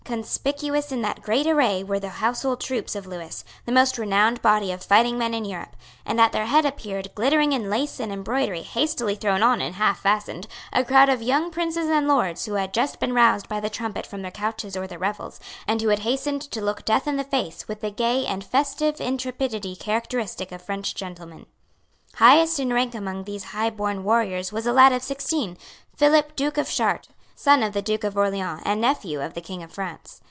Conspicuous in that great array were the household troops of Lewis, the most renowned body of fighting men in Europe; and at their head appeared, glittering in lace and embroidery hastily thrown on and half fastened, a crowd of young princes and lords who had just been roused by the trumpet from their couches or their revels, and who had hastened to look death in the face with the gay and festive intrepidity characteristic of French gentlemen. Highest in rank among these highborn warriors was a lad of sixteen, Philip Duke of Chartres, son of the Duke of Orleans, and nephew of the King of France.